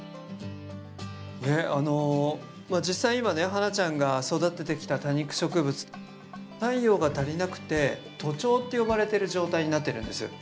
実際今ね花奈ちゃんが育ててきた多肉植物太陽が足りなくて徒長って呼ばれてる状態になってるんです。